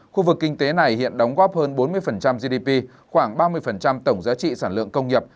khu vực kinh tế này hiện đóng góp hơn bốn mươi gdp khoảng ba mươi tổng giá trị sản lượng công nghiệp